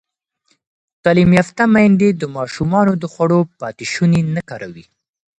تعلیم یافته میندې د ماشومانو د خوړو پاتې شوني نه کاروي.